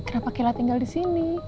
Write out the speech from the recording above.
kenapa kila tinggal di sini